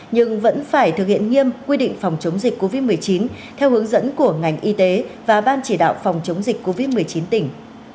nhưng vẫn phải thực hiện nghiêm quy định phòng chống dịch covid một mươi chín theo hướng dẫn của ngành y tế và ban chỉ đạo phòng chống dịch covid một mươi chín tỉnh